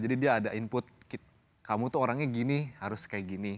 jadi dia ada input kamu tuh orangnya gini harus kayak gini